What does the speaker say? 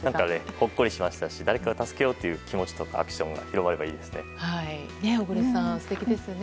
ほっこりしましたし誰かを助けようという気持ちとかアクションが広がればいいですね。